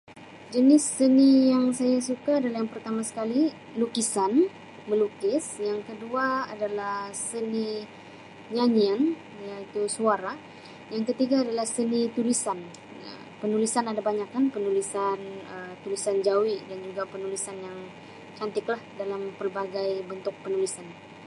Jenis seni yang saya suka adalah yang pertama sekali lukisan, melukis yang kedua adalah seni nyanyian iaitu suara, yang ketiga ialah seni tulisan Um penulisan ada banyak kan, penulisan Um penulisan jawi dan juga penulisan yang cantiklah dan yang pelbagai bentuk penulisan.